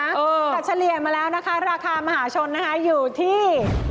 แต่เฉลี่ยมาแล้วนะคะราคามหาชนนะคะอยู่ที่